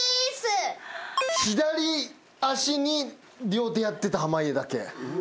左足に両手やってた濱家だけ。